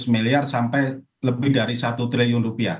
miliar sampai lebih dari satu triliun rupiah